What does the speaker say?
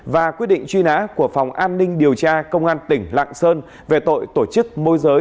và quyết định truy nã của phòng an ninh điều tra công an tỉnh lạng sơn về tội tổ chức môi giới